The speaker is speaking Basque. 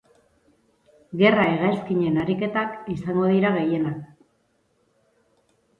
Gerra-hegazkinen ariketak izango dira gehienak.